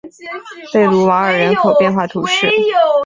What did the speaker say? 贝卢瓦人口变化图示